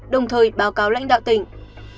đồng thời báo cáo lãnh đạo tỉnh